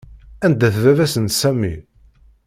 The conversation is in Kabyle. Anda-t baba-s n Sami?